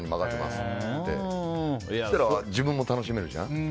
そしたら自分も楽しめるじゃん。